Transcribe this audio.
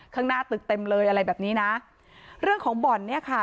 ข้างหน้าตึกเต็มเลยอะไรแบบนี้นะเรื่องของบ่อนเนี้ยค่ะ